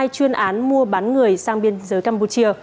hai chuyên án mua bán người sang biên giới campuchia